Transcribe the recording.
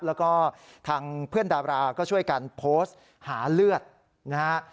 แล้วก็ทางเพื่อนดาราก็ช่วยกันโพสต์หาเลือดนะฮะ